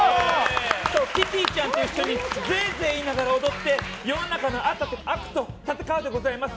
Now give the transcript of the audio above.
キティちゃんと一緒にぜえぜえ言いながら踊って世の中の悪と戦うでございます！